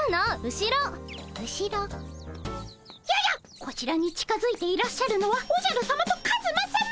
後ろ？ややっこちらに近づいていらっしゃるのはおじゃるさまとカズマさま！